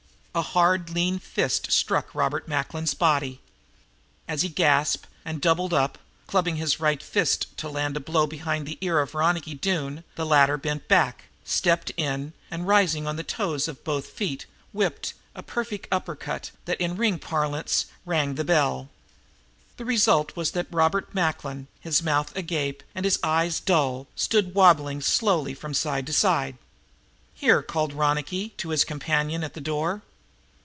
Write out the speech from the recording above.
A hard lean fist struck Robert Macklin's body. As he gasped and doubled up, clubbing his right fist to land the blow behind the ear of Ronicky Doone, the latter bent back, stepped in and, rising on the toes of both feet, whipped a perfect uppercut that, in ring parlance, rang the bell. The result was that Robert Macklin, his mouth agape and his eyes dull, stood wobbling slowly from side to side. "Here!" called Ronicky to his companion at the door.